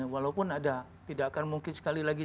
walaupun ada tidak akan mungkin sekali lagi